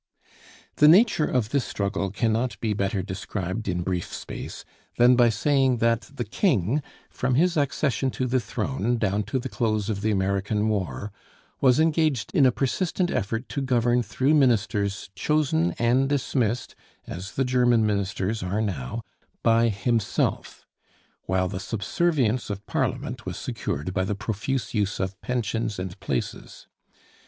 The nature of this struggle cannot be better described in brief space than by saying that the King, from his accession to the throne down to the close of the American War, was engaged in a persistent effort to govern through ministers chosen and dismissed, as the German ministers are now, by himself; while the subservience of Parliament was secured by the profuse use of pensions and places.